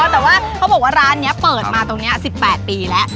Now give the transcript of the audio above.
แต่ว่าเขาบอกว่าร้านนี้เปิดมาตรงนี้๑๘ปีแล้ว